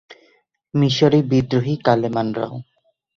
মিশরে বিদ্রোহী কালেমানরাও।